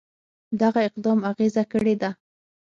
دغه اقدام د اغېزه کړې ده.